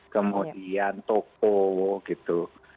kemudian toko gitu